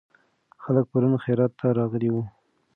خلک پرون خیرات ته راغلي وو.